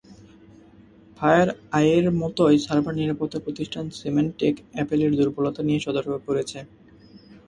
ফায়ারআইয়ের মতোই সাইবার নিরাপত্তা প্রতিষ্ঠান সিমানটেক অ্যাপলের দুর্বলতা নিয়ে সতর্ক করেছে।